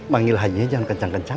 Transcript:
manggil hajinya jangan kencang kencang